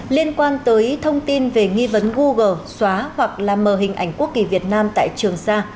liên quan tới thông tin về nghi vấn google xóa hoặc là mờ hình ảnh quốc kỳ việt nam tại trường sa